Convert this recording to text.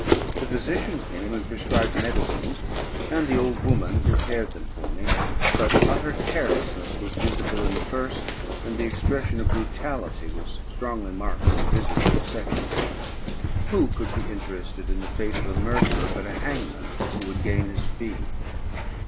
The physician came and prescribed medicines, and the old woman prepared them for me; but utter carelessness was visible in the first, and the expression of brutality was strongly marked in the visage of the second. Who could be interested in the fate of a murderer, but the hangman who would gain his fee?